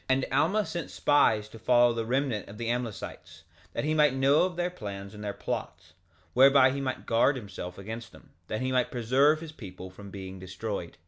2:21 And Alma sent spies to follow the remnant of the Amlicites, that he might know of their plans and their plots, whereby he might guard himself against them, that he might preserve his people from being destroyed.